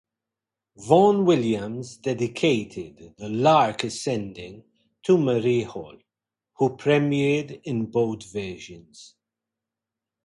Vaughan Williams dedicated "The Lark Ascending" to Marie Hall, who premiered both versions.